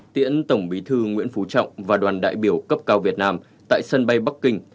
tiễn tổng bí thư nguyễn phú trọng và đoàn đại biểu cấp cao việt nam tại sân bay bắc kinh